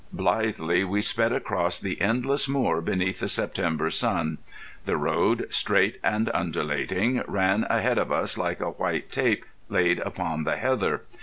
Blithely we sped across the endless moor beneath the September sun. The road, straight and undulating, ran ahead of us like a white tape laid upon the heather.